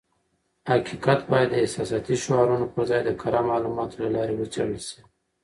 حقیقت بايد د احساساتي شعارونو پر ځای د کره معلوماتو له لارې وڅېړل شي.